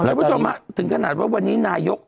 แล้วว่าจะมาถึงขนาดว่าวันนี้นายก